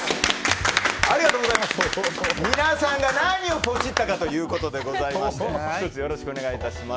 皆さんが何をポチったかということで１つ、よろしくお願いいたします。